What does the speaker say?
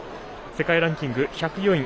世界ランキング１０４位